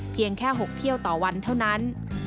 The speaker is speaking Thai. เพียงแค่๖เที่ยวต่อวันเท่านั้น